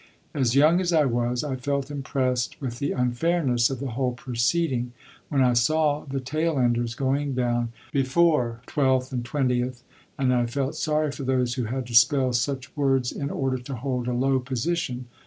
As young as I was, I felt impressed with the unfairness of the whole proceeding when I saw the tailenders going down before twelfth and twentieth, and I felt sorry for those who had to spell such words in order to hold a low position.